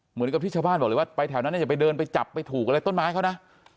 เหมือนกับที่ชาวบ้านบอกเลยว่าไปแถวนั้นอย่าไปเดินไปจับไปถูกอะไรต้นไม้เขานะ